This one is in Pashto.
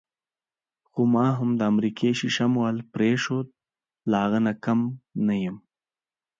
خو ما هم د امریکا ښیښه محل پرېښود، له هغه نه کم نه یم.